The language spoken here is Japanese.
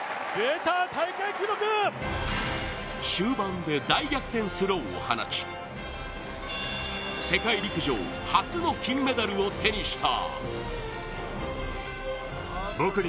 終盤で大逆転スローを放ち世界陸上、初の金メダルを手にした。